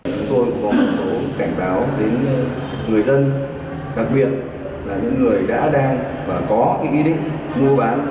chúng tôi cũng có một số cảnh báo đến người dân đặc biệt là những người đã đang và có ý định mua bán